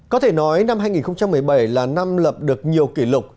có thể nói năm hai nghìn một mươi bảy là năm lập được nhiều kỷ lục